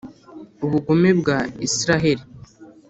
Ubugome bwa Israheli